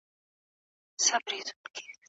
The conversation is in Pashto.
له پوهې او پوهانو ویره